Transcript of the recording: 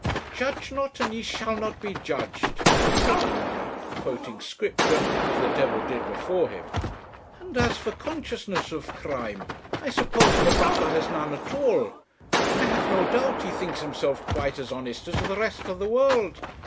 'Judge not, and ye shall not be judged,' said Undy, quoting Scripture as the devil did before him; 'and as for consciousness of crime, I suppose M'Buffer has none at all. I have no doubt he thinks himself quite as honest as the rest of the world.